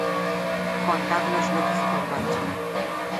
Juan Carlos López Corbacho.